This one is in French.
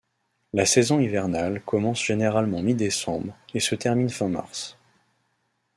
La saison hivernale commence généralement mi-décembre, et se termine fin mars.